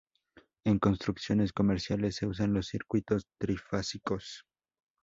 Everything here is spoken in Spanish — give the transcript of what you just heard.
En construcciones comerciales, se usan los circuitos trifásicos.